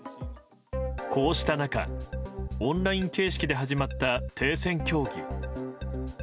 こうした中、オンライン形式で始まった停戦協議。